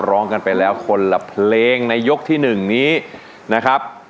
ร้องกันไปแล้วคนละเพลงในยกที่๑นี้นะครับ